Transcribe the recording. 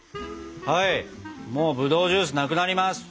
はいもうぶどうジュースなくなります。